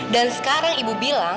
dan sekarang ibu bilang